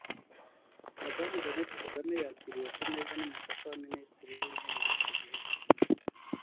Madamu Jeannette Kagame yakiriwe ku meza n’umufasha wa Minisitiri w’Intebe w’iki gihugu